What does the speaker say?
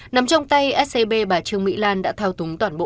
nằm trong tay scb bà trương mỹ lan đã thao túng toàn bộ